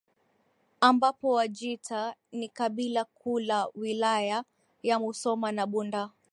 ambapo Wajita ni kabila kuu la Wilaya ya Musoma na Bunda